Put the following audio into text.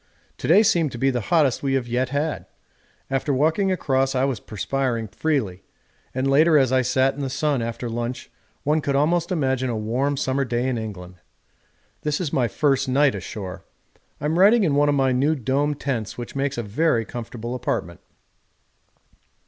To day seemed to be the hottest we have yet had; after walking across I was perspiring freely, and later as I sat in the sun after lunch one could almost imagine a warm summer day in England. This is my first night ashore. I'm writing in one of my new domed tents which makes a very comfortable apartment.